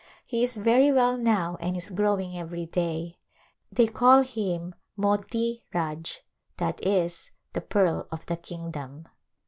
He is very well now and is growing every day. They call him Moti Raj^ i. e.y the Pearl of the Kingdom.